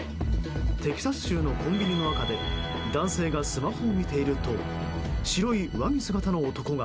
テキサス州のコンビニの中で男性がスマホを見ていると白い上着姿の男が。